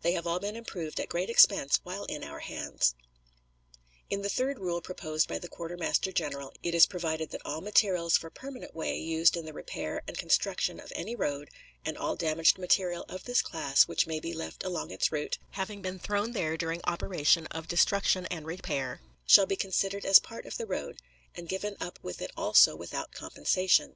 They have all been improved at great expense while in our hands. In the third rule proposed by the quartermaster general it is provided that all materials for permanent way used in the repair and construction of any road, and all damaged material of this class which may be left along its route, having been thrown there during operation of destruction and repair, shall be considered as part of the road, and given up with it also without compensation.